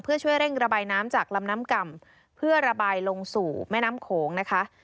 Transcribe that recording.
เพื่อช่วยเร่งระบายน้ำจากลำน้ำก่ำเพื่อระบายลงสู่แม่น้ำโขงนะคะ